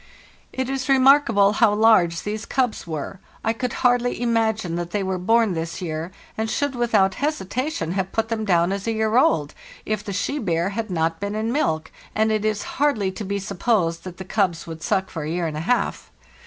"It is remarkable how large these cubs were. I could hardly imagine that they were born this year, and should without hesitation have put them down as a year old if the she bear had not been in milk, and it is hardly to be supposed that the cubs would suck for a year and a half.